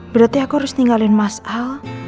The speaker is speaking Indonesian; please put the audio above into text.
berarti aku harus tinggalin mas al